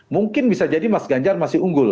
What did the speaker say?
mungkin bisa jadi mas ganjar masih unggul